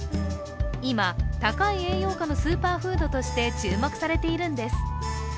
今、高い栄養価のスーパーフードとして注目されているんです。